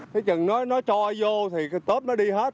nói chừng nó cho vô thì tốt nó đi hết